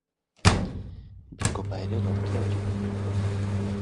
Bi kopa ere lortu ditu.